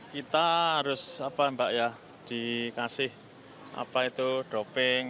kita harus apa mbak ya dikasih apa itu doping